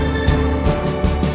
ini gak ada